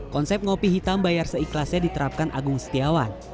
konsep ngopi hitam bayar seikhlasnya diterapkan agung setiawan